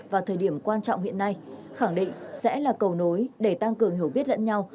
vào thời điểm quan trọng hiện nay khẳng định sẽ là cầu nối để tăng cường hiểu biết lẫn nhau